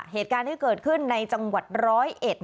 เหตุการณ์ที่เกิดขึ้นในจังหวัดร้อยเอ็ด